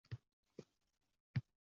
Ko’zlaridan qochardi nur